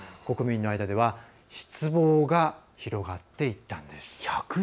国民の間では失望が広がっていったんです。